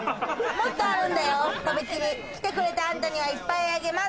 もっとあるんだよ。来てくれたあんたにはいっぱいあげます。